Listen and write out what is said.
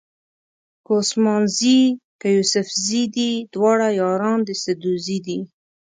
که عثمان زي که یوسفزي دي دواړه یاران د سدوزي دي.